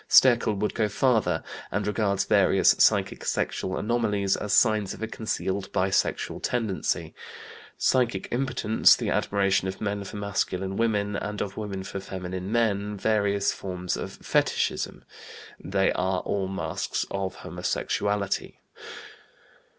Stekel would go farther, and regards various psychic sexual anomalies as signs of a concealed bisexual tendency; psychic impotence, the admiration of men for masculine women and of women for feminine men, various forms of fetichism, they are all masks of homosexuality (Stekel, Zentralblatt für Psychoanalyse, vol. ii, April, 1912).